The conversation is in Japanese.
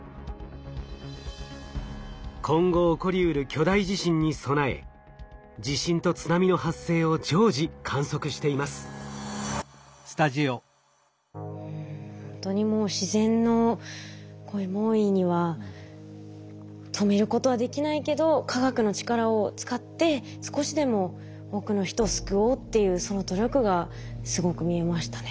今後起こりうる巨大地震に備えほんとにもう自然の猛威には止めることはできないけど科学の力を使って少しでも多くの人を救おうっていうその努力がすごく見えましたね。